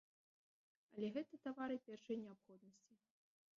Але гэта тавары першай неабходнасці.